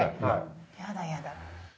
やだやだ。